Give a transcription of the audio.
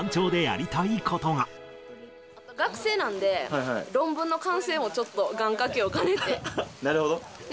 学生なんで、論文の完成もちょっと、なるほど。